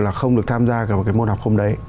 là không được tham gia vào cái môn học hôm đấy